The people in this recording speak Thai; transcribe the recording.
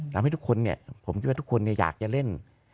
ทำให้ทุกคนเนี่ยผมคิดว่าทุกคนอยากจะเล่น